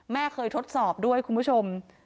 แม่เคยทดสอบด้วยคุณผู้ชม